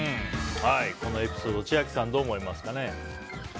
このエピソード千秋さん、どう思いますかね。